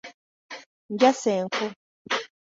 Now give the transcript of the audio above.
Njasa enku.